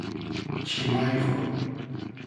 چیمای خو